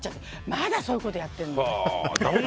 まだそういうことやってるの。